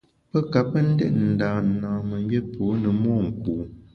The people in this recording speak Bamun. Pe ka pe ndét nda nâmemgbié pô ne monku.